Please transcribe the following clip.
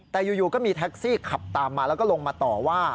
แต่อยู่ก็มีแท็กซี่ขับตามมาแล้วก็ลงมาต่อว่า